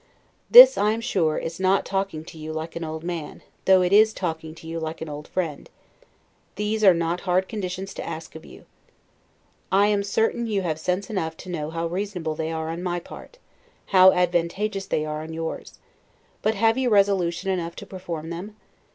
This, I am sure, is not talking to you like an old man, though it is talking to you like an old friend; these are not hard conditions to ask of you. I am certain you have sense enough to know how reasonable they are on my part, how advantageous they are on yours: but have you resolution enough to perform them?